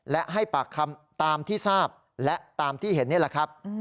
และให้ปากคำตามที่ทราบและตามที่เห็นนี่แหละครับ